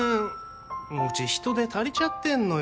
もううち人手足りちゃってんのよ